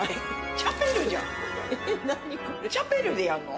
チャペルでやんの？